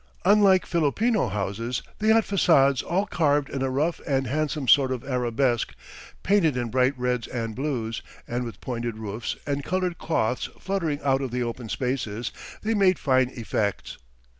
Unlike Filipino houses, they had façades all carved in a rough and handsome sort of arabesque, painted in bright reds and blues, and with pointed roofs and coloured cloths fluttering out of the open spaces, they made fine effects.